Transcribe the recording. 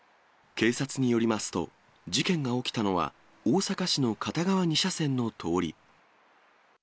警察によりますと、事件が起きたのは、大阪市の片側２車線の通り。